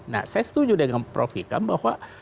nah saya setuju dengan prof ikam bahwa